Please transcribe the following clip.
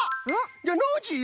じゃあノージーよ。